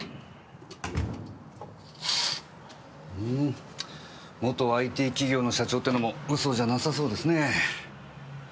うーん元ＩＴ企業の社長ってのも嘘じゃなさそうですねぇ。